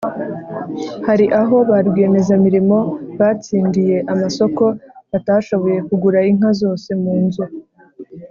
Hari aho ba rwiyemezamirimo batsindiye amasoko batashoboye kugura inka zose munzu